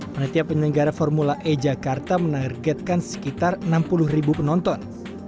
penelitian penyelenggara formula e jakarta menargetkan sekitar enam puluh ribu penonton